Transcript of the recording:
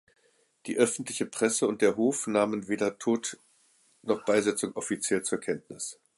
Die öffentliche Presse und der Hof nahmen weder Tod noch Beisetzung offiziell zur Kenntnis.